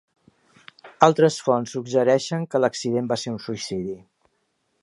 Altres fonts suggereixen que l'accident va ser un suïcidi.